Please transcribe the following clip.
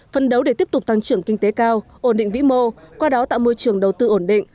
phân đấu để tiếp tục tăng trưởng kinh tế cao ổn định vĩ mô qua đó tạo môi trường đầu tư ổn định